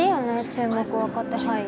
注目若手俳優。